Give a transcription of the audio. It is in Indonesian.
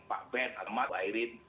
pak ben pak ahmad pak ayrin